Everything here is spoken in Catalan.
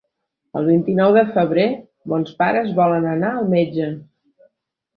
El vint-i-nou de febrer mons pares volen anar al metge.